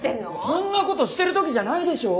そんなことしてる時じゃないでしょ！？